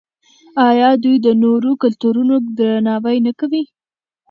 آیا دوی د نورو کلتورونو درناوی نه کوي؟